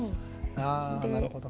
あなるほど。